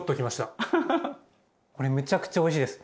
これめちゃくちゃおいしいです。